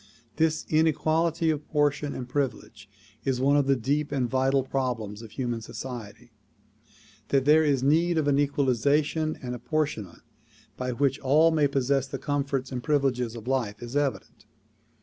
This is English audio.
This inequality of portion and privilege is one of the deep and vital problems of human society. That there is need of an equalization and apportionment by which all may possess the com forts and privileges of life is evident.